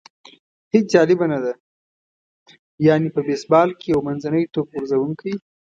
هېڅ جالبه نه ده، یعنې په بېسبال کې یو منځنی توپ غورځوونکی.